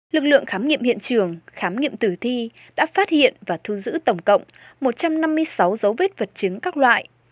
lực lượng khám nghiệm hiện trường khám nghiệm tử thi đã phát hiện và thu giữ tổng cộng một trăm năm mươi sáu dấu vết vật chứng các loại